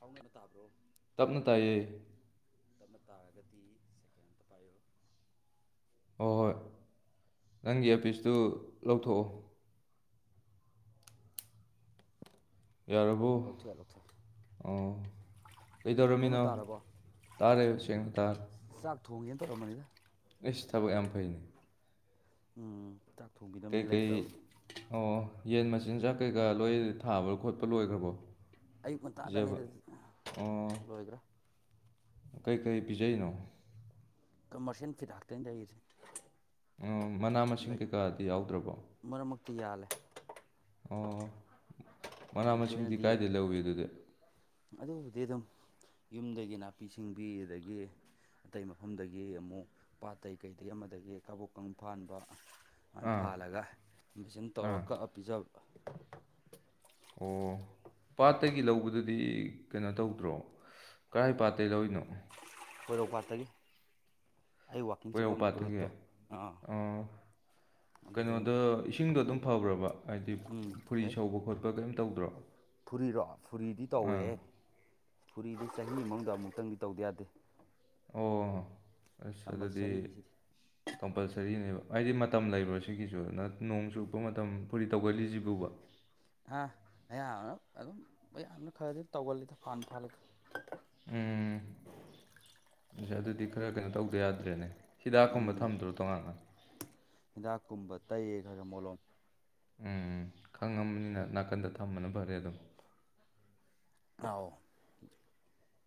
ꯑꯥꯎꯅ ꯅ ꯇ ꯍꯥꯞ꯭ꯔꯣ ꯇꯞꯅ ꯇꯥꯏꯌꯦ ꯇꯞꯅ ꯇꯥꯔꯒꯗꯤ ꯁꯦꯀꯦꯟ ꯑꯝꯇ ꯄꯥꯏꯌꯣ ꯍꯣꯏ ꯍꯣꯏ ꯅꯪꯒꯤ ꯑꯦꯐꯁꯇꯨ ꯂꯧꯊꯣꯛꯑꯣ ꯌꯥꯕꯨ ꯂꯧꯊꯣꯛꯑꯦ ꯂꯧꯊꯣꯛꯦ ꯑꯣ ꯀꯩꯗꯧꯔꯃꯤꯅꯣ ꯇꯥꯔꯕꯣ ꯇꯥꯔꯦ ꯁꯦꯡꯅ ꯇꯥꯔ ꯆꯥꯛ ꯊꯣꯡꯒꯦꯅ ꯇꯧꯔꯝꯕꯅꯤꯗ ꯑꯦ ꯁꯤ ꯊꯕꯛ ꯌꯥꯝ ꯐꯩꯅꯦ ꯎꯝ ꯇꯥꯛ ꯀꯩ ꯀꯩ ꯑꯣ ꯌꯦꯟ ꯃꯆꯤꯟꯖꯥꯛ ꯀꯩꯀꯥ ꯂꯣꯏ ꯊꯥꯕ ꯈꯣꯠꯄ ꯂꯣꯏꯈ꯭ꯔꯕꯣ ꯑꯌꯨꯛ ꯄꯤꯖꯕ ꯉꯟꯇꯥꯗꯅꯤꯗ ꯑꯣ ꯂꯣꯏꯈ꯭ꯔꯥ ꯀꯩꯀꯩ ꯄꯤꯖꯔꯤꯅꯣ ꯀꯝꯃꯔꯁꯌꯦꯦꯜ ꯐꯤꯗꯥꯛꯇꯩꯅ ꯂꯩꯔꯤꯁꯦ ꯃꯅꯥ ꯃꯁꯤꯡ ꯀꯩꯀꯥꯗꯤ ꯌꯥꯎꯗ꯭ꯔꯕꯣ ꯃꯔꯛꯛꯇꯤ ꯌꯥꯂꯦ ꯑꯣ ꯃꯅꯥ ꯌꯥꯝ ꯃꯁꯤꯡꯗꯤ ꯇꯣꯏꯅꯗꯤ ꯀꯥꯏꯗ ꯂꯧꯏꯤ ꯑꯗꯨꯗꯤ ꯑꯗꯨꯕꯨꯗꯤ ꯑꯗꯨꯝ ꯌꯨꯝꯗꯒꯤ ꯅꯥꯄꯤ ꯁꯤꯡꯕꯤ ꯑꯗꯒꯤ ꯑꯇꯩ ꯃꯐꯝꯗꯒꯤ ꯑꯃꯨꯛ ꯄꯥꯠꯇꯩ ꯀꯩꯗꯒꯤꯩ ꯑꯃꯗꯒꯤ ꯀꯕꯣꯛꯀ ꯐꯥꯟꯕ ꯁꯨꯃꯥꯏꯅ ꯑꯥ ꯐꯥꯜꯂꯒ ꯏꯟꯚꯖꯟ ꯇꯧꯔ ꯑꯥ ꯀꯛꯑ ꯄꯤꯖꯕ ꯑꯣ ꯄꯥꯠꯇꯒꯤ ꯂꯧꯕꯗꯨꯗꯤ ꯀꯩꯅꯣ ꯇꯧꯗ꯭ꯔꯣ ꯀꯔꯥꯏ ꯄꯥꯠꯇꯩꯗꯧꯔꯤꯅꯣ ꯀꯣꯏꯔꯧꯄꯥꯠꯇꯒꯤ ꯑꯩ ꯋꯥꯛꯀꯤꯡ ꯆꯠꯄ ꯄꯣꯏꯔꯧ ꯄꯥꯠꯇꯒꯤ ꯔꯨꯠꯇꯣ ꯑꯥ ꯑꯣ ꯑꯗꯨꯗ ꯀꯩꯅꯣꯗ ꯏꯁꯤꯡꯗꯣ ꯑꯗꯨꯝ ꯐꯕ꯭ꯔꯕ ꯍꯥꯏꯗꯤ ꯎꯝ ꯐꯨꯔꯤ ꯐꯩ ꯁꯧꯕ ꯈꯣꯠꯄ ꯑꯕ ꯀꯔꯤꯝ ꯇꯧꯗ꯭ꯔꯣ ꯐꯨꯔꯤꯔꯣ ꯐꯨꯔꯤꯗꯤ ꯑꯥ ꯇꯧꯋꯦꯍ ꯐꯨꯔꯤꯗꯤ ꯆꯍꯤ ꯃꯅꯨꯡꯗ ꯑꯃꯨꯛꯇꯪꯗꯤ ꯇꯧꯗ ꯌꯥꯗꯦ ꯑꯣ ꯑꯁ ꯑꯗꯨꯗꯤ ꯀꯝꯄꯜꯁꯔꯤꯅꯤ ꯁꯤꯗꯤ ꯀꯝꯄꯜꯁꯔꯤꯅꯦꯕ ꯍꯥꯏꯗꯤ ꯃꯇꯝ ꯂꯩꯔꯣ ꯁꯤꯒꯤꯁꯨ ꯑꯗꯨꯅ ꯅꯣꯡ ꯆꯨꯞꯨꯞꯄ ꯃꯇꯝ ꯐꯨꯔꯤ ꯇꯧꯒꯜꯂꯤꯁꯤꯕꯨꯕ ꯑꯥ ꯑꯌꯥꯝꯅ ꯑꯗꯨꯝ ꯃꯌꯥꯝꯅ ꯈꯔꯗꯤ ꯇꯧꯒꯜꯂꯤꯗ ꯐꯅ ꯐꯥꯜꯂꯒ ꯎꯝ ꯑꯗꯨꯗꯤ ꯈꯔ ꯀꯩꯅꯣ ꯇꯧꯗ ꯌꯥꯗ꯭ꯔꯦꯅꯦ ꯍꯤꯗꯥꯛꯀꯨꯝꯕ ꯎꯝ ꯊꯝꯗ꯭ꯔꯣ ꯇꯣꯉꯥꯟꯅ ꯍꯤꯗꯥꯛꯀꯨꯝꯕ ꯇꯩ ꯈꯔ ꯈꯔ ꯃꯣꯂꯣꯝ ꯎꯝ ꯈꯪꯉꯕꯅꯤꯅ ꯅꯥꯀꯟꯗ ꯊꯝꯕꯅ ꯐꯔꯦ ꯑꯗꯨꯝ ꯑꯥꯎ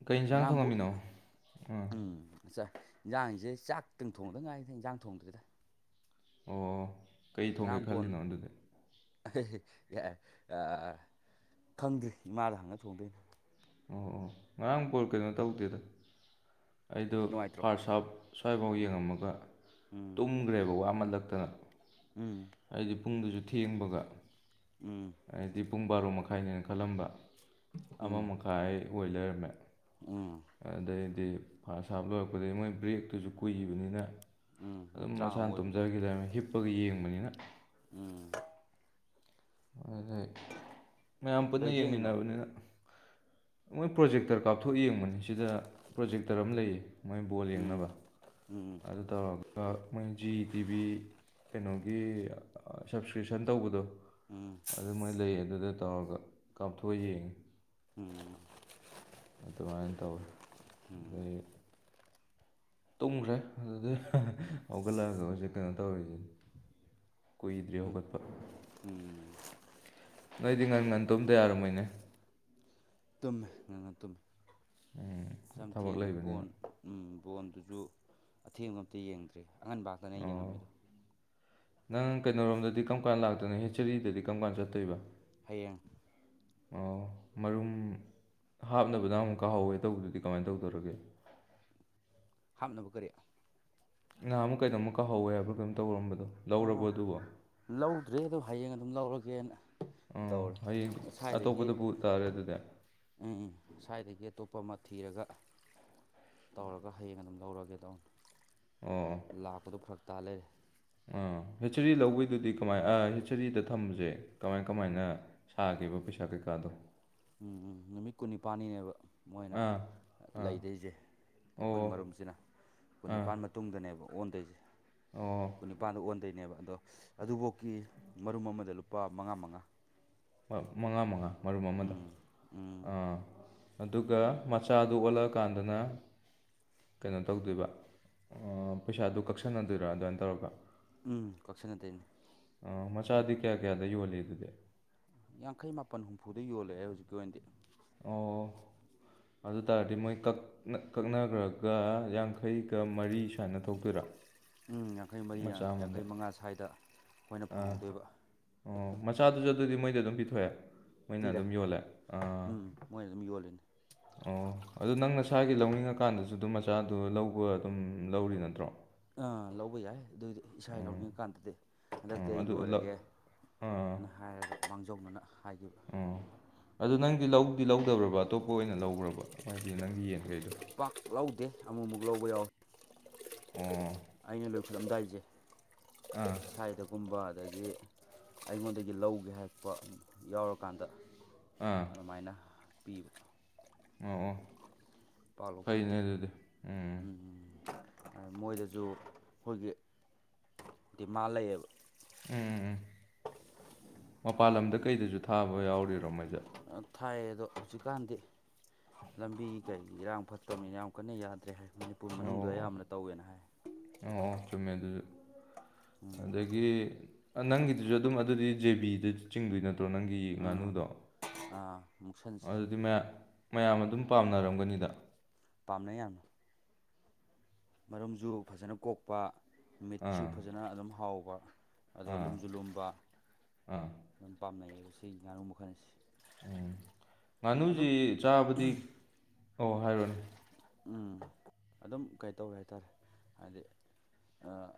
ꯀꯩ ꯌꯦꯟꯁꯥꯡ ꯉꯔꯥꯡꯕꯨ ꯊꯣꯡꯉꯝꯃꯤꯅꯣ ꯑꯥ ꯎꯝ ꯑꯠꯆꯥ ꯏꯟꯖꯥꯡꯁꯦ ꯆꯥꯛꯇꯪ ꯊꯣꯡꯗ ꯉꯥꯏꯗ ꯏꯟꯖꯥꯡ ꯊꯣꯡꯗ꯭ꯔꯤꯗ ꯑꯣ ꯀꯩ ꯊꯣꯡꯒꯦ ꯉꯔꯥꯡ ꯕꯣꯟ ꯈꯜꯂꯤꯅꯣ ꯑꯗꯨꯗꯤ ꯌꯥ ꯈꯪꯗ꯭ꯔꯤ ꯏꯃꯥꯗ ꯍꯪꯉ ꯊꯣꯡꯗꯣꯏꯅꯦ ꯑꯣ ꯉꯔꯥꯡ ꯄꯣ ꯀꯩꯅꯣ ꯇꯧꯗꯦꯗ ꯑꯩꯗꯣ ꯅꯨꯡꯉꯥꯏꯇ꯭ꯔꯣ ꯐꯥꯔꯁ ꯑꯞ ꯁ꯭ꯋꯥꯏꯐꯥꯎ ꯎꯝ ꯌꯦꯡꯉꯝꯃꯒ ꯎꯝ ꯇꯨꯝꯈ꯭ꯔꯦꯕ ꯋꯥ ꯑꯃꯜꯂꯛꯇꯅ ꯎꯝ ꯑꯩꯗꯤ ꯄꯨꯡꯗꯨꯁꯨ ꯊꯦꯡꯕꯒ ꯎꯝ ꯍꯥꯏꯗꯤ ꯄꯨꯡ ꯕꯥꯔꯣ ꯃꯈꯥꯏꯅꯦꯅ ꯈꯜꯂꯝꯕ ꯑꯃ ꯎꯝ ꯃꯈꯥꯏ ꯑꯩ ꯑꯣꯏ ꯂꯩꯔꯝꯃꯦ ꯎꯝ ꯑꯗꯩꯗꯤ ꯐꯥꯁ ꯍꯥꯞ ꯂꯣꯏꯔꯛꯄꯗꯒꯤꯩ ꯃꯣꯏ ꯕ꯭ꯔꯦꯛꯇꯨꯁꯨ ꯀꯨꯏꯈꯤꯕꯅꯤꯅ ꯎꯝ ꯑꯗꯨꯝ ꯃꯤꯅꯤꯠ ꯇꯔꯥꯃꯉꯥꯃꯨꯛ ꯃꯁꯥꯅ ꯑꯣꯏꯕꯅꯦ ꯇꯨꯝꯖꯈꯤ ꯂꯩꯔꯝꯃꯦ ꯍꯤꯞꯄꯒ ꯌꯦꯡꯕꯅꯤꯅ ꯎꯝ [unintelligible] ꯃꯌꯥꯝ ꯄꯨꯟꯅ ꯀꯩ ꯊꯦꯡꯉꯤꯅꯣ ꯌꯦꯡꯃꯤꯟꯅꯕꯅꯤꯅ ꯃꯣꯏ ꯄ꯭ꯔꯣꯖꯦꯛꯇꯔ ꯀꯥꯞꯊꯣꯛ ꯌꯦꯡꯕꯅꯤ ꯁꯤꯗ ꯄ꯭ꯔꯣꯖꯦꯛꯇꯔ ꯑꯃ ꯂꯩꯌꯦ ꯃꯣꯏ ꯕꯣꯜ ꯎꯝ ꯌꯦꯡꯅꯕ ꯎꯝ ꯑꯗꯨ ꯇꯧꯔꯕ ꯑꯗꯨꯒ ꯃꯣꯏ ꯖꯤ ꯇꯤꯚꯤ ꯀꯩꯅꯣꯒꯤ ꯁꯞꯁꯀ꯭ꯔꯤꯞꯁꯟ ꯇꯧꯕꯗꯣ ꯎꯝ ꯑꯗꯨꯃꯥꯏꯅ ꯂꯩ ꯑꯗꯨꯗ ꯇꯧꯔꯒ ꯀꯥꯞꯊꯣꯛꯑ ꯌꯦꯡꯉꯤ ꯎꯝ ꯑꯗꯨꯃꯥꯏꯅ ꯇꯧꯋꯤ ꯎꯝ ꯑꯗꯩ ꯇꯨꯝꯈ꯭ꯔꯦ ꯑꯗꯨꯗꯩ [unintelligible] ꯍꯧꯒꯠꯂꯛꯑꯒ ꯍꯧꯖꯤꯛ ꯀꯩꯅꯣ ꯇꯧꯔꯤꯁꯤꯅꯤ ꯀꯨꯏꯗ꯭ꯔꯤ ꯎꯝ ꯍꯧꯒꯠꯄ ꯎꯝ ꯅꯣꯏꯗꯤ ꯉꯟ ꯉꯟ ꯇꯨꯝꯗ ꯌꯥꯔꯝꯃꯣꯏꯅꯦ ꯇꯨꯝꯃꯦ ꯉꯟ ꯉꯟ ꯇꯨꯝꯃꯤ ꯑꯁꯨꯌꯥꯝ ꯊꯕꯛ ꯊꯦꯡꯉꯗꯤ ꯕꯣꯟ ꯂꯩꯕꯅꯤꯅ ꯎꯝ ꯕꯣꯟꯗꯨꯁꯨ ꯑꯊꯦꯡꯕ ꯑꯝꯇ ꯌꯦꯡꯗ꯭ꯔꯦ ꯑꯉꯟꯕ ꯉꯥꯛꯇꯅꯦ ꯑꯩ ꯑꯣ ꯌꯦꯡꯉꯝꯃꯤꯗꯣ ꯅꯪ ꯀꯩꯅꯣꯔꯣꯝꯗꯗꯤ ꯀꯔꯝ ꯀꯥꯟ ꯂꯥꯛꯇꯣꯏꯅꯣ ꯍꯤꯁꯇꯔꯤꯗꯗꯤ ꯀꯔꯝ ꯀꯥꯟ ꯆꯠꯇꯣꯏꯕ ꯍꯌꯦꯡ ꯑꯣ ꯃꯔꯨꯝ ꯍꯥꯞꯅꯕꯗ ꯑꯃꯨꯛ ꯀꯥꯍꯧꯋꯦ ꯇꯧꯕꯗꯨꯗꯤ ꯀꯃꯥꯏꯅ ꯇꯧꯗꯧꯔꯒꯦ ꯍꯥꯞꯅꯕ ꯀꯔꯤ ꯅꯍꯥꯨꯟꯃꯨꯛ ꯀꯧꯅꯣꯝꯃ ꯀꯥꯎꯍꯧꯌꯦ ꯍꯥꯏꯕ ꯀꯩꯅꯝ ꯇꯧꯔꯝꯕꯗꯣ ꯑ ꯂꯧꯔꯕꯣ ꯑꯗꯨꯕꯣ ꯂꯧꯗ꯭ꯔꯦ ꯑꯗꯣ ꯍꯌꯦꯡ ꯑꯗꯨꯝ ꯂꯧꯔꯒꯦꯅ ꯑꯥ ꯇꯧꯔꯦ ꯍꯌꯦꯡꯗꯤ ꯉꯁꯥꯏꯗꯒꯤ ꯑꯇꯣꯞꯄꯗ ꯄꯨ ꯇꯥꯔꯦ ꯑꯗꯨꯗꯤ ꯎꯝ ꯎꯝ ꯁ꯭ꯋꯥꯏꯗꯒꯤ ꯑꯇꯣꯞꯄ ꯑꯃ ꯊꯤꯔꯒ ꯇꯧꯔꯒ ꯍꯌꯦꯡ ꯑꯗꯨꯝ ꯂꯧꯔꯒꯦ ꯇꯧꯅꯦ ꯑꯣ ꯑꯣ ꯂꯥꯛꯄꯗꯨꯣ ꯐꯔꯛ ꯇꯥ ꯂꯩꯔꯦ ꯑꯥ ꯍꯤꯁꯤꯆꯔꯤ ꯂꯧꯕꯤꯗꯨꯗꯤ ꯀꯃꯥꯏ ꯍꯤꯁꯆꯔꯤꯗ ꯊꯝꯕꯁꯦ ꯀꯃꯥꯏ ꯀꯃꯥꯏꯅ ꯊꯥꯈꯤꯕ ꯄꯩꯁꯥ ꯀꯩꯀꯥꯗꯣ ꯎꯝ ꯅꯨꯃꯤꯠ ꯀꯨꯟꯅꯤꯄꯥꯜꯅꯤꯅꯦꯕ ꯃꯣꯏꯅ ꯑꯥ ꯑꯥ ꯂꯩꯗꯣꯏꯁꯦ ꯑꯩꯈꯣꯏ ꯑꯣ ꯃꯔꯨꯝꯁꯤꯅ ꯀꯨꯟ ꯑꯥ ꯅꯤꯄꯥꯜ ꯃꯇꯨꯡꯗꯅꯦꯕ ꯑꯣꯟꯗꯣꯏꯁꯦ ꯑꯣ ꯀꯨꯟꯅꯤꯄꯥꯟꯗ ꯑꯣꯟꯗꯣꯏꯅꯦꯕ ꯑꯗꯣ ꯑꯗꯨꯐꯥꯎꯀꯤ ꯃꯔꯨꯝ ꯑꯃꯗ ꯂꯨꯄꯥ ꯃꯉꯥ ꯃꯉꯥ ꯃꯉꯥ ꯃꯉꯥ ꯃꯔꯨꯝ ꯑꯃꯗ ꯎꯝ ꯎꯝ ꯑꯥ ꯑꯗꯨꯒ ꯃꯆꯥꯗꯨ ꯑꯣꯜꯂꯛꯑꯀꯥꯟꯗꯅ ꯀꯩꯅꯣ ꯇꯧꯗꯣꯏꯕ ꯄꯩꯁꯥꯗꯨ ꯀꯛꯁꯟꯅꯗꯣꯏꯔꯥ ꯑꯗꯨꯃꯥꯏꯅ ꯇꯧꯔꯒ ꯎꯝ ꯀꯛꯁꯟꯅꯗꯣꯏꯅꯤ ꯃꯆꯥꯗꯤ ꯀꯌꯥ ꯀꯌꯥꯗ ꯌꯣꯜꯂꯤ ꯑꯗꯨꯗꯤ ꯌꯥꯡꯈꯩ ꯃꯥꯄꯟ ꯍꯨꯝꯐꯨꯗ ꯌꯣꯜꯂꯦ ꯑꯩ ꯍꯧꯖꯤꯛꯀꯤ ꯑꯣꯏꯅꯗꯤ ꯑꯣ ꯑꯗꯨ ꯇꯥꯔꯗꯤ ꯃꯣꯏ ꯀꯛ ꯀꯛꯅꯈ꯭ꯔꯒ ꯌꯥꯡꯈꯩꯒ ꯃꯔꯤ ꯁꯨꯥꯏꯅ ꯊꯣꯛꯇꯣꯏꯔꯥ ꯎꯝ ꯌꯥꯡꯈꯩ ꯃꯔꯤ ꯃꯆꯥ ꯑꯃꯗ ꯌꯥꯡꯈꯩ ꯃꯉꯥ ꯁ꯭ꯋꯥꯏꯗ ꯑꯩꯈꯣꯏꯅ ꯑꯥ ꯐꯪꯍꯧꯗꯣꯏꯕ ꯑꯣ ꯃꯆꯥꯗꯨꯁꯨ ꯑꯗꯨꯗꯤ ꯃꯣꯏꯗ ꯑꯗꯨꯝ ꯄꯤꯊꯣꯛꯑꯦ ꯃꯣꯏꯅ ꯄꯤꯔꯦ ꯑꯗꯨꯝ ꯌꯣꯜꯂꯦ ꯑꯥ ꯎꯝ ꯃꯣꯏꯅ ꯑꯗꯨꯝ ꯌꯣꯜꯂꯤꯅꯤ ꯑꯣ ꯑꯗꯨ ꯅꯪ ꯅꯁꯥꯒꯤ ꯂꯧꯅꯤꯡꯉꯀꯥꯟꯗꯁꯨ ꯑꯗꯨꯝ ꯃꯆꯥꯗꯨ ꯂꯧꯕ ꯑꯗꯨꯝ ꯂꯧꯔꯤ ꯅꯠꯇ꯭ꯔꯣ ꯑꯥ ꯂꯧꯕ ꯌꯥꯏ ꯑꯗꯨꯏꯗꯨ ꯏꯁꯥ ꯑꯥ ꯂꯧꯅꯤꯡꯉꯀꯥꯟꯗꯗꯤ ꯍꯟꯗꯛꯇꯤ ꯑꯥ ꯑꯩ ꯑꯗꯨ ꯂꯧ ꯂꯣꯏꯔꯒꯦ ꯑꯥ ꯑꯩꯅ ꯍꯥꯏꯔꯒ ꯃꯥꯡꯖꯧꯅꯅ ꯍꯥꯏꯒꯤꯕ ꯑꯣ ꯑꯗꯨ ꯅꯪꯗꯤ ꯂꯧꯗꯤ ꯂꯧꯗꯕ꯭ꯔꯕ ꯑꯇꯣꯞꯄ ꯑꯣꯏꯅ ꯂꯧꯕ꯭ꯔꯕ ꯍꯥꯏꯗꯤ ꯅꯪꯒꯤ ꯌꯦꯟꯈꯩꯗꯣ ꯄꯥꯛ ꯂꯧꯗꯦ ꯑꯃꯨꯛꯃꯨꯛ ꯂꯧꯕ ꯌꯥꯎꯋꯦ ꯑꯣ ꯑꯩꯅ ꯂꯣꯏꯈꯠꯂꯝꯗꯥꯏꯁꯦ ꯑꯥ ꯁꯥꯏꯗꯒꯨꯝꯕ ꯑꯗꯒꯤ ꯑꯩꯉꯣꯟꯗꯒꯤ ꯂꯧꯒꯦ ꯍꯥꯏꯄ ꯌꯥꯎꯔꯀꯥꯟꯗ ꯑꯥ ꯑꯗꯨꯃꯥꯏꯅ ꯄꯤꯕ ꯑꯣ ꯑꯣ ꯐꯩꯅꯦ ꯑꯗꯨꯗꯤ ꯎꯝ ꯎ ꯃꯣꯏꯗꯁꯨ ꯑꯩꯈꯣꯏꯒꯤ ꯗꯤꯃꯥꯟ ꯂꯩꯌꯦꯕ ꯎꯝ ꯎꯝ ꯎꯝ ꯃꯄꯥꯟ ꯂꯝꯗ ꯀꯩꯗꯁꯨ ꯊꯥꯕ ꯌꯥꯎꯔꯤꯔꯣ ꯃꯥꯏꯁꯦ ꯊꯥꯏ ꯑꯗꯣ ꯍꯧꯖꯤꯛꯀꯥꯟꯗꯤ ꯂꯝꯕꯤ ꯀꯩ ꯏꯔꯥꯡ ꯐꯠꯇ꯭ꯔꯕꯅꯤꯅ ꯌꯥꯝ ꯀꯟꯅ ꯌꯥꯗ꯭ꯔꯦ ꯍꯥꯏ ꯃꯅꯤꯄꯨꯔ ꯃꯅꯨꯡꯗ ꯑꯣ ꯑꯌꯥꯝꯕꯅ ꯇꯧꯋꯦꯅ ꯍꯥꯏ ꯑꯣ ꯑꯣ ꯆꯨꯝꯃꯦ ꯑꯗꯨꯁꯨ ꯎꯝ ꯑꯗꯒꯤ ꯅꯪꯒꯤꯗꯨꯁꯨ ꯑꯗꯨꯝ ꯑꯗꯨꯗꯤ ꯖꯦꯕꯤꯗ ꯆꯤꯡꯗꯣꯏ ꯅꯠꯇ꯭ꯔꯣ ꯅꯪꯒꯤ ꯑꯥ ꯉꯥꯅꯨꯗꯣ ꯑꯥ ꯃꯨꯛꯁꯟꯁꯦ ꯑꯗꯨꯗꯤ ꯃꯌꯥꯝ ꯃꯌꯥꯝ ꯑꯗꯨꯝ ꯄꯥꯝꯅꯔꯝꯒꯅꯤꯗ ꯄꯥꯝꯅꯩ ꯌꯥꯝꯅ ꯃꯔꯨꯝꯁꯨ ꯐꯖꯅ ꯀꯣꯛꯄ ꯃꯤꯠꯁꯨ ꯑꯥ ꯐꯖꯅ ꯑꯗꯨꯝ ꯍꯥꯎꯕ ꯑꯗꯣ ꯑꯥ ꯂꯨꯝꯁꯨ ꯂꯨꯝꯕ ꯑꯥ ꯑꯗꯨꯝ ꯄꯥꯝꯅꯩꯌꯦ ꯁꯤ ꯉꯥꯅꯨ ꯃꯈꯜꯁꯦ ꯎꯝ ꯉꯥꯅꯨꯁꯤ ꯆꯥꯕꯗꯤ ꯑꯣ ꯍꯥꯏꯔꯑꯣꯅꯦ ꯎꯝ ꯑꯗꯨꯝ ꯀꯩꯇꯧꯋꯦ ꯍꯥꯏꯇꯥꯔꯦ ꯍꯥꯏꯗꯤ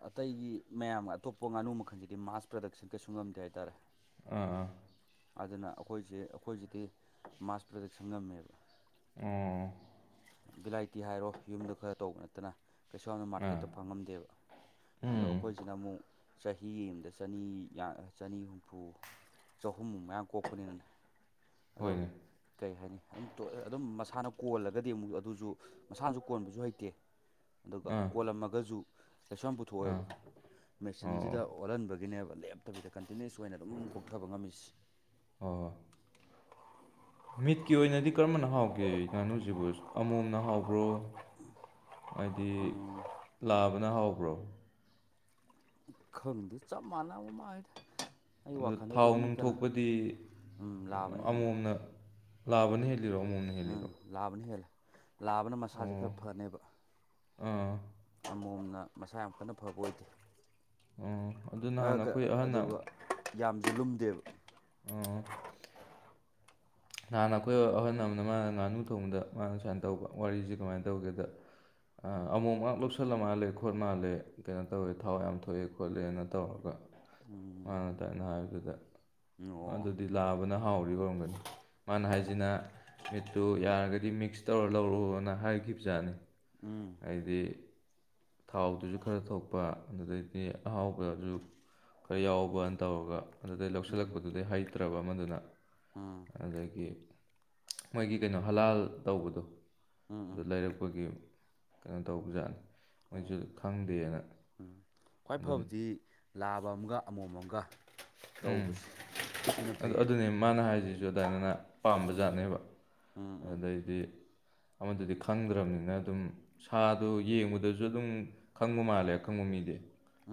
ꯑꯇꯩꯒꯤ ꯃꯌꯥꯝ ꯑꯇꯣꯞꯄ ꯉꯥꯅꯨ ꯃꯈꯜꯗꯗꯤ ꯃꯥꯁ ꯄ꯭ꯔꯗꯛꯁꯟ ꯀꯩꯁꯨ ꯉꯝꯗꯦ ꯍꯥꯏꯇꯥꯔꯦ ꯑꯥ ꯑꯥ ꯑꯗꯨꯅ ꯑꯩꯈꯣꯏꯁꯦ ꯑꯩꯈꯣꯏꯁꯤꯗꯤ ꯃꯥꯁ ꯄ꯭ꯔꯗꯛꯁꯟ ꯉꯝꯃꯦꯕ ꯑꯣ ꯚꯦꯂꯥꯏꯇꯤ ꯍꯥꯏꯔꯣ ꯌꯨꯝꯗ ꯈꯔ ꯇꯧꯕ ꯅꯠꯇꯅ ꯀꯩꯁꯨ ꯌꯥꯝꯅ ꯑꯥ ꯃꯥꯔꯀꯦꯠꯇ ꯐꯪꯉꯝꯗꯦꯕ ꯑꯗꯣ ꯎꯝ ꯑꯩꯈꯣꯏꯁꯤꯅ ꯑꯃꯨꯛ ꯆꯍꯤ ꯑꯃꯗ ꯆꯅꯤ ꯆꯅꯤ ꯍꯨꯝꯐꯨ [inaudible] ꯑꯗꯨꯝ ꯍꯣꯏꯅꯦ ꯀꯩ ꯍꯥꯏꯅꯤ ꯑꯗꯨꯝ ꯑꯗꯨꯝ ꯃꯁꯥꯅ ꯀꯣꯜꯂꯒꯗꯤ ꯑꯃꯨꯛ ꯑꯗꯨꯁꯨ ꯃꯁꯥꯅꯁꯨ ꯀꯣꯟꯕꯁꯨ ꯍꯩꯇꯦ ꯑꯗꯨꯒ ꯑꯥ ꯀꯣꯜꯂꯝꯃꯒꯁꯨ ꯀꯩꯁꯨ ꯌꯥꯝ ꯑꯥ ꯄꯨꯊꯣꯛꯑꯣꯏꯕ ꯑꯣ ꯑꯣ ꯃꯦꯆꯤꯟꯁꯤꯗ ꯍꯣꯏ ꯑꯣꯜꯍꯟꯕꯒꯤꯅꯦꯕ ꯂꯦꯞꯇꯕꯤꯗ ꯀꯟꯇꯤꯅ꯭ꯌꯨꯁ ꯑꯣꯏꯅ ꯑꯗꯨꯝ ꯀꯣꯛꯊꯕ ꯉꯝꯃꯤꯁꯤ ꯑꯣ ꯃꯤꯠꯀꯤ ꯑꯣꯏꯅꯗꯤ ꯀꯔꯝꯕꯅ ꯍꯥꯎꯒꯦ ꯉꯥꯅꯨꯁꯤꯕꯨ ꯑꯃꯣꯝꯅ ꯍꯥꯎꯕ꯭ꯔꯣ ꯍꯥꯏꯗꯤ ꯂꯥꯕꯅ ꯍꯥꯎꯕ꯭ꯔꯣ ꯈꯪꯗꯦ ꯆꯞ ꯃꯥꯟꯅꯕ ꯃꯥꯥꯜꯂꯤꯗ ꯑꯩ ꯑꯗꯨ ꯋꯥꯈꯜꯗ ꯊꯥꯎ ꯑꯗꯨꯝ ꯃꯤ ꯅꯨꯡ ꯀꯅꯥ ꯊꯣꯛꯄꯗꯤ ꯎ ꯂꯥꯛꯕꯅ ꯍꯦꯟꯕ ꯂꯕꯅ ꯍꯦꯜꯂꯤꯔꯛꯣ ꯑꯃꯨꯛ ꯎꯝ ꯂꯥꯛꯑꯕꯅ ꯍꯦꯜꯂꯦ ꯂꯥꯛꯑꯕꯅ ꯃꯁꯥꯁꯦ ꯑꯣ ꯈꯔ ꯐꯅꯦꯕ ꯑꯥ ꯑꯃ ꯃꯣꯝꯅ ꯃꯁꯥ ꯌꯥꯝ ꯀꯟꯅ ꯐꯕ ꯑꯣꯏꯗꯦ ꯑꯣ ꯑꯗꯨ ꯅꯍꯥꯟ ꯑꯩꯈꯣꯏ ꯑꯍꯟꯅ ꯌꯥꯝꯗꯤ ꯂꯨꯝꯗꯦꯕ ꯑꯣ ꯅꯍꯥꯟ ꯑꯩꯈꯣꯏ ꯑꯍꯟ ꯑꯃꯅ ꯃꯥꯅ ꯉꯥꯅꯨ ꯊꯣꯡꯕꯗ ꯃꯥꯅ ꯁꯨꯃꯥꯏ ꯇꯧꯕ ꯋꯥꯔꯤꯁꯦ ꯀꯃꯥꯏꯅ ꯇꯧꯒꯦꯗ ꯑ ꯑꯃꯣꯝ ꯉꯥꯛ ꯂꯧꯁꯜꯂꯃꯥꯜꯂꯦ ꯈꯣꯠ ꯃꯥꯜꯂꯦ ꯀꯩꯅꯣ ꯇꯧꯋꯦ ꯊꯥꯎ ꯌꯥꯝ ꯊꯣꯛꯑꯦ ꯈꯣꯠꯂꯦꯅ ꯇꯧꯔꯒ ꯎꯝ ꯃꯥꯅ ꯑꯗꯥꯏꯅ ꯍꯥꯏꯕꯗꯨꯗ ꯑꯣ ꯑꯗꯨ ꯑꯗꯨ ꯂꯥꯕꯅ ꯍꯥꯎꯔꯤ ꯑꯣꯏꯔꯝꯒꯅꯤ ꯃꯥꯅ ꯍꯥꯏꯁꯤꯅ ꯃꯤꯠꯇꯨ ꯌꯥꯔꯒꯗꯤ ꯃꯤꯛꯁ ꯇꯧꯔ ꯂꯧꯔꯛꯎꯅ ꯍꯥꯏꯒꯤꯕꯖꯥꯠꯅꯤ ꯎꯝ ꯍꯥꯏꯗꯤ ꯊꯥꯎꯗꯨꯁꯨ ꯈꯔ ꯊꯣꯛꯄ ꯑꯗꯨꯗꯩꯗꯤ ꯑꯍꯥꯎꯕ ꯑꯗꯨ ꯈꯔ ꯌꯥꯎꯕꯅ ꯇꯧꯔꯒ ꯑꯗꯨꯗꯩ ꯎꯝ ꯂꯧꯁꯤꯜꯂꯛꯄꯗꯨꯗꯩ ꯍꯩꯇ꯭ꯔꯕ ꯑꯃꯗꯨꯅ ꯎꯝ ꯑꯗꯒꯤ ꯃꯣꯏꯒꯤ ꯀꯩꯅꯣ ꯍꯂꯥꯜ ꯇꯧꯕꯗꯣ ꯎꯝ ꯑꯗꯨ ꯎꯝ ꯂꯩꯔꯛꯄꯒꯤ ꯀꯩꯅꯣ ꯇꯧꯕ ꯖꯥꯠꯅꯤ ꯃꯣꯏꯁꯨ ꯑꯣ ꯈꯪꯗꯦꯅ ꯎꯝ ꯈ꯭ꯋꯥꯏ ꯑꯗꯨꯝ ꯐꯕꯗꯤ ꯂꯥꯕ ꯑꯃꯒ ꯑꯃꯣꯝ ꯑꯃꯝꯒ ꯎꯝ ꯇꯧꯕꯁꯦ ꯁꯤꯅ ꯑꯗꯨ ꯐꯩꯌꯦꯕ ꯑꯗꯨꯅꯦ ꯃꯥꯅ ꯍꯥꯏꯁꯤꯁꯨ ꯑꯗꯨꯃꯥꯏꯅꯅ ꯄꯥꯝꯕ ꯖꯥꯠꯅꯦꯕ ꯎꯝ ꯎꯝ ꯑꯗꯩꯗꯤ ꯑꯃꯗꯨꯗꯤ ꯈꯪꯗ꯭ꯔꯝꯅꯤꯅ ꯑꯗꯨꯝ ꯁꯥꯗꯨ ꯌꯦꯡꯕꯗꯁꯨ ꯑꯗꯨꯝ ꯈꯪꯕ ꯃꯥꯜꯂꯦ ꯑꯈꯪꯕ ꯃꯤꯗꯤ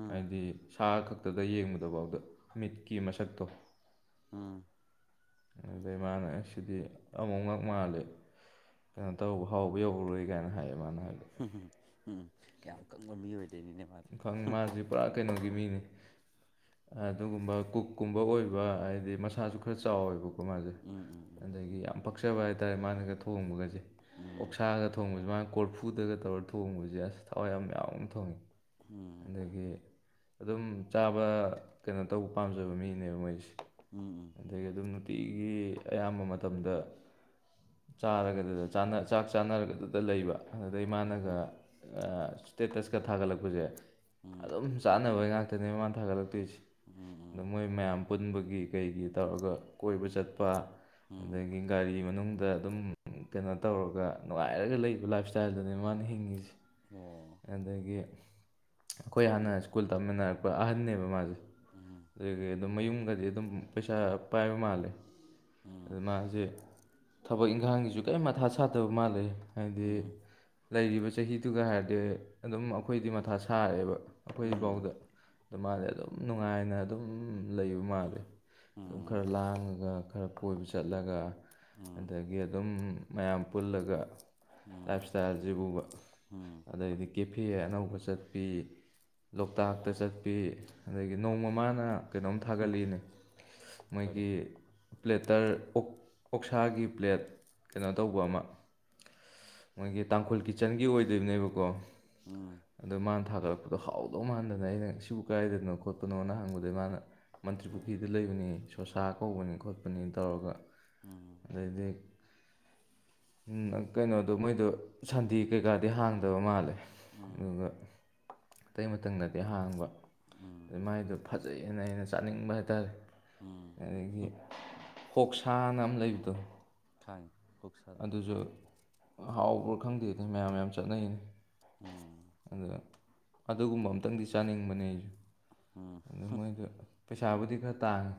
ꯎꯝ ꯍꯥꯏꯕꯗꯤ ꯁꯥ ꯈꯛꯇꯗ ꯌꯦꯡꯕꯗꯕꯥꯎꯗ ꯃꯤꯠꯀꯤ ꯃꯁꯛꯇꯣ ꯎꯝ ꯑꯗꯨꯗꯩ ꯃꯥꯅ ꯑꯁꯤꯗꯤ ꯑꯃꯣꯝꯉꯥꯛ ꯃꯥꯜꯂꯦ ꯀꯩꯅꯣ ꯇꯧꯕ ꯍꯥꯎꯕ ꯌꯧꯔꯔꯣꯏ ꯀꯥꯏꯅ ꯍꯥꯏꯌꯦ ꯃꯥꯅ ꯍꯥꯏꯕꯗ ꯍꯨꯝꯍꯨꯝ ꯎꯝ ꯌꯥꯝ ꯀꯪꯕ ꯃꯤ ꯑꯣꯏꯗꯣꯏꯅꯤꯅꯦ ꯃꯥꯗꯤ ꯈꯪ ꯃꯥꯁꯤ ꯄꯨꯔꯥ ꯀꯩꯅꯣꯒꯤ ꯃꯤꯅꯤ ꯑꯗꯨꯒꯨꯝꯕ ꯀꯨꯛꯀꯨꯝꯕ ꯑꯣꯏꯕ ꯍꯥꯏꯗꯤ ꯃꯁꯥꯁꯨ ꯈꯔ ꯆꯥꯎꯋꯦꯕꯀꯣ ꯃꯥꯁꯦ ꯎꯝ ꯎꯝ ꯎꯝ ꯑꯗꯥꯒꯤ ꯌꯥꯝ ꯄꯛꯆꯕ ꯍꯥꯏꯇꯥꯔꯦ ꯃꯥꯅꯒ ꯊꯣꯡꯕꯒꯁꯦ ꯎꯝ ꯑꯣꯛꯁꯥꯒ ꯊꯣꯡꯕꯁꯤ ꯃꯥꯅ ꯀꯣꯔꯐꯨꯗꯒ ꯇꯧꯔ ꯊꯣꯡꯕꯁꯦ ꯑꯁ ꯊꯋꯥꯏ ꯌꯥꯝ ꯌꯥꯎꯅ ꯊꯣꯡꯉꯦ ꯎꯝ ꯑꯗꯒꯤ ꯑꯗꯨꯝ ꯆꯥꯕ ꯀꯩꯅꯣ ꯇꯧꯕ ꯄꯥꯝꯖꯕ ꯃꯤꯅꯦꯕ ꯃꯣꯏꯁꯦ ꯎꯝ ꯎꯝ ꯑꯗꯒꯤ ꯑꯗꯨꯝ ꯅꯨꯡꯇꯤꯒꯤ ꯑꯌꯥꯝꯕ ꯃꯇꯝꯗ ꯆꯥꯔꯒꯗꯗ ꯆꯥꯅ ꯆꯥꯛ ꯆꯥꯅꯔꯒꯗꯗ ꯂꯩꯕ ꯑꯗꯨꯗꯩ ꯃꯥꯅꯒ ꯎꯝ ꯑ ꯁ꯭ꯇꯦꯇꯁꯀ ꯊꯥꯒꯠꯂꯛꯄꯁꯦ ꯎꯝ ꯑꯗꯨꯝ ꯆꯥꯅꯕꯩ ꯉꯥꯛꯇꯅꯦ ꯃꯥꯅ ꯊꯥꯒꯠꯂꯛꯇꯣꯏꯁꯦ ꯑꯗꯨ ꯎꯝ ꯃꯣꯏ ꯃꯌꯥꯝ ꯄꯨꯟꯕꯒꯤ ꯀꯩꯒꯤ ꯇꯧꯔꯒ ꯀꯣꯏꯕ ꯆꯠꯄ ꯎꯝ ꯑꯗꯥꯒꯤ ꯒꯥꯔꯤ ꯃꯅꯨꯡꯗ ꯑꯗꯨꯝ ꯀꯩꯅꯣ ꯇꯧꯔꯒ ꯅꯨꯡꯉꯥꯏꯔꯒ ꯂꯩꯕ ꯂꯥꯏꯞ ꯏꯁꯇꯥꯏꯜꯗꯨꯅꯤ ꯃꯥꯅ ꯍꯤꯡꯉꯤꯁꯦ ꯑꯣ ꯑꯗꯒꯤ ꯑꯩꯈꯣꯏ ꯍꯥꯟꯅ ꯁ꯭ꯀꯨꯜ ꯇꯝꯃꯤꯟꯅꯔꯛꯄ ꯑꯍꯟꯅꯦꯕ ꯃꯥꯖꯦ ꯎꯝ ꯑꯗꯒꯤ ꯑꯗꯨꯝ ꯃꯌꯨꯝꯒꯗꯤ ꯑꯗꯨꯝ ꯄꯩꯁꯥ ꯄꯥꯏꯕ ꯃꯥꯜꯂꯦ ꯑꯗꯥ ꯎꯝ ꯃꯥꯁꯦ ꯊꯕꯛ ꯏꯪꯈꯥꯡꯒꯤꯁꯨ ꯀꯔꯤꯝ ꯃꯊꯥ ꯁꯥꯗꯕ ꯃꯥꯜꯂꯦ ꯎꯝ ꯍꯥꯏꯕꯗꯤ ꯎꯝ ꯂꯩꯔꯤꯕ ꯆꯍꯤꯗꯨꯒ ꯍꯥꯏꯔꯗꯤ ꯑꯗꯨꯝ ꯑꯩꯈꯣꯏꯗꯤ ꯃꯊꯥ ꯁꯥꯔꯦꯕ ꯑꯩꯈꯣꯏꯕꯥꯎꯗ ꯑꯗꯨ ꯃꯥꯗꯤ ꯑꯗꯨꯝ ꯅꯨꯡꯉꯥꯏꯅ ꯑꯗꯨꯝ ꯂꯩꯕ ꯃꯥꯜꯂꯦ ꯑꯗꯨꯝ ꯈꯔ ꯂꯥꯡꯉꯒ ꯈꯔ ꯀꯣꯏꯕ ꯆꯠꯂꯒ ꯎꯝ ꯎꯝ ꯑꯗꯩ ꯒꯤ ꯑꯗꯨꯝ ꯃꯌꯥꯝ ꯄꯨꯜꯂꯒ ꯎꯝ ꯂꯥꯏꯞ ꯏꯁꯇꯥꯏꯜꯖꯤꯕꯨꯕꯥ ꯎꯝ ꯑꯗꯩꯗꯤ ꯀꯦꯐꯦ ꯑꯅꯧꯕ ꯆꯠꯄꯤ ꯂꯣꯛꯇꯥꯛꯇ ꯆꯠꯄꯤ ꯑꯗꯒꯤ ꯅꯣꯡꯃ ꯃꯥꯅ ꯀꯩꯅꯣꯝ ꯊꯥꯒꯠꯂꯤꯏꯅꯦ ꯀꯔꯤ ꯃꯣꯏꯒꯤ ꯄ꯭ꯂꯦꯇꯔ ꯑꯣꯛ ꯑꯣꯛꯁꯥꯒꯤ ꯄ꯭ꯂꯦꯠ ꯀꯩꯅꯣ ꯇꯧꯕ ꯑꯃ ꯃꯣꯏꯒꯤ ꯇꯥꯡꯈꯨꯜ ꯀꯤꯠꯆꯟꯒꯤ ꯑꯣꯏꯗꯣꯏꯕꯅꯦꯕꯀꯣ ꯎꯝ ꯑꯗꯣ ꯃꯥꯅ ꯊꯥꯒꯠꯂꯛꯄꯗꯣ ꯍꯥꯎꯗꯧ ꯃꯥꯟꯗꯅ ꯑꯩꯅ ꯁꯤꯕꯨ ꯀꯗꯥꯥꯏꯗꯅꯣ ꯈꯣꯠꯄꯅꯣꯅ ꯍꯪꯕꯗꯩ ꯃꯥꯅ ꯃꯟꯇ꯭ꯔꯤ ꯄꯨꯈ꯭ꯔꯤꯗ ꯂꯩꯕꯅꯤ ꯁꯣꯁꯥ ꯀꯧꯕꯅꯤ ꯈꯣꯠꯄꯅꯤ ꯇꯧꯔꯒ ꯎꯝ ꯑꯗꯩꯗꯤ ꯀꯩꯅꯣꯗꯣ ꯃꯣꯏꯗꯣ ꯁꯟꯗꯦ ꯀꯩꯀꯥꯗꯤ ꯍꯥꯡꯗꯕ ꯃꯥꯜꯂꯦ ꯎꯝ ꯑꯗꯨꯒ ꯑꯇꯩ ꯃꯇꯝꯗꯗꯤ ꯍꯥꯡꯕ ꯎꯝ ꯑꯗꯩ ꯃꯥꯏꯗꯣ ꯐꯖꯩꯅ ꯑꯩꯅ ꯆꯥꯅꯤꯡꯕ ꯍꯥꯏꯇꯥꯔꯦ ꯎꯝ ꯑꯗꯒꯤ ꯍꯣꯛꯁꯥꯅ ꯑꯃ ꯂꯩꯕꯗꯣ ꯈꯪꯏ ꯑꯗꯨꯖꯨ ꯍꯥꯎꯕ꯭ꯔꯥ ꯈꯪꯗꯦꯗꯥ ꯃꯌꯥꯝ ꯌꯥꯝ ꯆꯠꯅꯩꯅꯦ ꯎꯝ ꯑꯗꯨꯗ ꯑꯗꯨꯒꯨꯝꯕ ꯑꯝꯇꯪꯗꯤ ꯆꯥꯅꯤꯡꯕꯅꯦ ꯑꯩꯁꯨ ꯑꯗꯣ ꯃꯣꯏꯒ ꯄꯩꯁꯥꯕꯨꯗꯤ ꯈꯔ ꯇꯥꯡꯉꯤ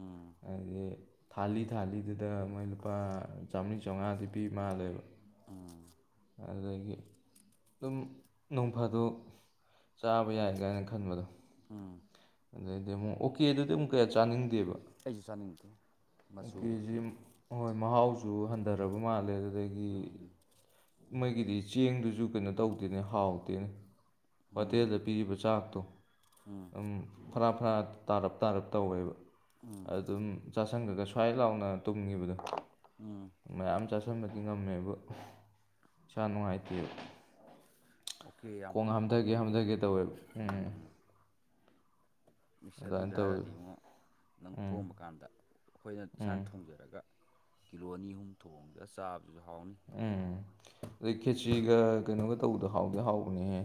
ꯎꯝ ꯍꯥꯏꯗꯤ ꯊꯥꯜꯂꯤ ꯊꯥꯜꯂꯤꯗꯨꯗ ꯃꯣꯏ ꯂꯨꯄꯥ ꯆꯥꯝꯔꯤ ꯆꯧꯉꯥꯗꯤ ꯄꯤ ꯃꯥꯜꯂꯦꯕ ꯎꯝ ꯑꯗꯨꯗꯒꯤ ꯑꯗꯨꯝ ꯅꯣꯡꯐꯥꯗꯣꯛ ꯆꯥꯕ ꯌꯥꯏ ꯀꯥꯏꯅ ꯈꯟꯕꯗꯣ ꯎꯝ ꯑꯗꯩꯗꯤ ꯑꯃꯨꯛ ꯑꯣꯀꯦꯗꯨꯗꯤ ꯑꯃꯨꯛ ꯀꯌꯥ ꯆꯥꯅꯤꯡꯗꯦꯕ ꯑꯩꯁꯨ ꯆꯥꯅꯤꯡꯗꯦ ꯃꯆꯨꯗꯣ ꯑꯣꯀꯦꯁꯤ ꯍꯣꯏ ꯃꯍꯥꯎꯁꯨ ꯍꯟꯊꯔꯕ ꯃꯥꯜꯂꯦ ꯑꯗꯨꯗꯒꯤ ꯎꯝ ꯃꯣꯏꯒꯤꯗꯤ ꯆꯦꯡꯗꯨꯁꯨ ꯀꯩꯅꯣ ꯇꯧꯗꯦꯅꯦ ꯍꯥꯎꯇꯦꯅꯦ ꯎꯝ ꯍꯣꯇꯦꯜꯗ ꯄꯤꯔꯤꯕ ꯆꯥꯛꯇꯣ ꯎꯝ ꯑꯗꯨꯝ ꯐꯔꯥ ꯐꯔꯥ ꯇꯥꯔꯞ ꯇꯥꯔꯞ ꯇꯧꯋꯦꯕ ꯎꯝ ꯑꯗꯨꯝ ꯆ ꯁꯪꯒꯒ ꯁ꯭ꯋꯥꯏ ꯂꯥꯎꯅ ꯇꯨꯝꯈꯤꯕꯗꯣ ꯎꯝ ꯃꯌꯥꯝ ꯆꯥꯥꯁꯟꯕꯗꯤ ꯉꯝꯃꯦꯕꯨ ꯏꯁꯥ ꯅꯨꯡꯉꯥꯏꯇꯦꯕ ꯑꯣꯀꯦ ꯌꯥꯝ ꯈꯣꯡ ꯀꯟꯅ ꯍꯥꯎꯕ ꯍꯥꯝꯊꯒꯦ ꯑꯣꯏꯗꯦ ꯍꯥꯝꯊꯒꯦ ꯇꯧꯋꯦꯕ ꯎꯝ ꯏꯁ ꯑꯗꯨꯃꯥꯏꯅ ꯑꯗꯨꯒꯤ ꯇꯧꯋꯦ ꯍꯥꯏꯔꯣꯗꯤ ꯏꯉꯣ ꯅꯪ ꯎꯝ ꯄꯣꯝꯕ ꯀꯥꯟꯗ ꯑꯩꯈꯣꯏꯅ ꯎꯝ ꯏꯁꯥꯅ ꯊꯣꯡꯖꯔꯒ ꯀꯤꯂꯣ ꯑꯅꯤ ꯑꯍꯨꯝ ꯊꯣꯡꯉꯒ ꯆꯥꯕꯗꯨꯖꯨ ꯍꯥꯎꯅꯤ ꯎꯝ ꯑꯗꯩ ꯈꯦꯆꯤꯒ ꯀꯩꯅꯣꯒ ꯇꯧꯕꯗꯣ ꯍꯥꯎꯗꯤ ꯍꯥꯎꯕꯅꯦꯍꯦ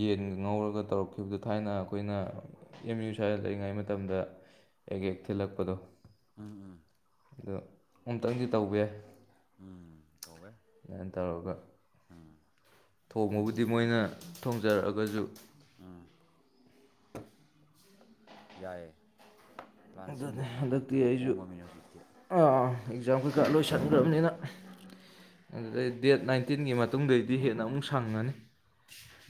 ꯌꯦꯟꯒ ꯉꯧꯔꯒ ꯇꯧꯔꯛꯈꯤꯕꯗꯨ ꯊꯥꯏꯅ ꯑꯩꯈꯣꯏꯅ ꯑꯦꯝ ꯌꯨ ꯁ꯭ꯋꯥꯏꯗ ꯂꯩꯔꯤꯉꯩ ꯃꯇꯝꯗ ꯍꯦꯛ ꯍꯦꯛ ꯊꯤꯜꯂꯛꯄꯗꯣ ꯎꯝ ꯎꯝ ꯑꯗꯣ ꯑꯃꯨꯛꯇꯪꯗꯤ ꯇꯧꯕ ꯌꯥꯏ ꯎꯝ ꯇꯧꯋꯦ ꯑꯗꯨꯃꯥꯏꯅ ꯇꯧꯔꯒ ꯎꯝ ꯊꯣꯡꯕꯕꯨꯗꯤ ꯃꯣꯏꯅ ꯊꯣꯡꯖꯔꯛꯑꯒꯁꯨ ꯎꯝ ꯌꯥꯏꯌꯦ ꯑꯗꯨꯅꯤ ꯄ꯭ꯂꯥꯟꯁꯤꯟꯗꯦ ꯑꯩ ꯅꯪ ꯊꯕꯛ ꯀꯣꯝꯃꯃꯤꯅ ꯍꯧꯖꯤꯛꯇꯤ ꯑꯥꯑꯥ ꯑꯦꯛꯖꯥꯝ ꯀꯩꯀꯥ ꯂꯣꯏꯁꯟꯈ꯭ꯔꯕꯅꯤꯅ ꯑꯗꯨꯗꯩ ꯗꯦꯠ ꯅꯥꯏꯟꯇꯤꯟꯒꯤ ꯃꯇꯨꯡꯗꯩꯗꯤ ꯍꯦꯟꯅ ꯑꯃꯨꯛ ꯁꯪꯉꯅꯤ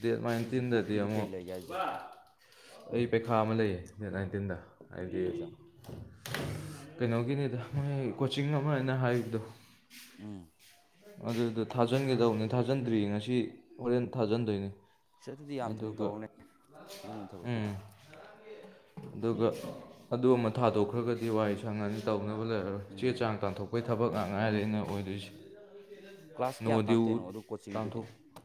ꯗꯦꯠ ꯅꯥꯏꯟꯇꯤꯟꯗꯗꯤ ꯍꯧꯖꯤꯛꯐꯥꯎꯀꯤꯗꯤ ꯀꯩ ꯑꯃꯨꯛ ꯂꯩꯒꯦ ꯍꯥꯏꯁꯦ ꯑꯩ ꯄꯩꯈꯥ ꯑꯃ ꯂꯩꯌꯦ ꯗꯦꯠ ꯅꯥꯏꯟꯇꯤꯟꯗ ꯍꯥꯏ ꯀꯩ ꯑꯦꯛꯖꯥꯝ ꯀꯩꯅꯣꯒꯤꯅꯤꯗ ꯃꯣꯏ ꯀꯣꯆꯤꯡ ꯑꯃꯅ ꯍꯥꯏꯕꯗꯣ ꯎꯝ ꯑꯗꯨꯗ ꯊꯥꯖꯤꯟꯒꯗꯧꯕꯅꯤ ꯊꯥꯖꯤꯟꯗ꯭ꯔꯤꯌꯦ ꯉꯁꯤ ꯍꯣꯔꯦꯟ ꯊꯥꯖꯤꯟꯗꯣꯏꯅꯤ ꯁꯤ ꯑꯗꯨꯗꯤ ꯌꯥꯝ ꯊꯨꯅ ꯑꯗꯨꯒ ꯇꯧꯔꯅꯦ ꯑꯗꯨꯒꯨꯝꯕ ꯎ ꯊꯕꯛꯇꯨꯗꯤ ꯑꯗꯨꯒ ꯑꯗꯨ ꯑꯃ ꯊꯥꯗꯣꯛꯈ꯭ꯔꯒꯗꯤ ꯋꯥꯔꯤ ꯁꯪꯉꯅꯤ ꯇꯧꯅꯕ ꯂꯩꯔꯔꯣꯏ ꯆꯦ ꯎꯝ ꯆꯥꯡ ꯇꯥꯟꯊꯣꯛꯄꯒꯤ ꯊꯕꯛ ꯉꯥꯡ ꯉꯥꯏꯔꯦ ꯑꯩꯅ ꯑꯣꯏꯗꯣꯏꯁꯦ ꯀ꯭ꯂꯥꯁ ꯀꯌꯥ ꯅꯣ ꯇꯥꯛꯇꯣꯏꯅꯣ ꯗ꯭ꯌꯨ ꯑꯗꯨ ꯇꯥꯟꯊꯣꯛ ꯀꯣꯆꯤꯡꯗꯨꯗꯤ